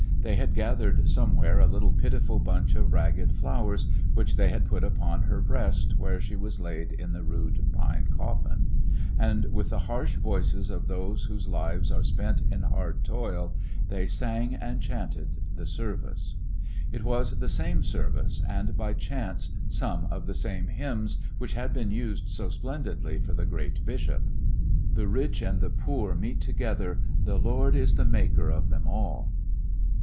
They had gathered somewhere a little pitiful bunch of ragged flowers which they had put upon her breast, where she was laid in the rude pine coffin ; and with the harsh voices of those whose lives are spent in hard toil they sang and chanted the service. It was the same service, and by chance 41 ^ecoUections of a The rich and poor mmt to gether Tatd by the broken shoes some of the same hymns^ which had been used so splendidly for the great bishop. "The rich and poor meet together : the Ijord is the maker of them all."